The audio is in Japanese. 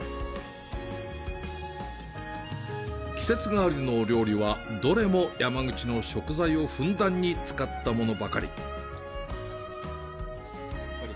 季節替わりのお料理は、どれも山口の食材をふんだんに使ったものばかり。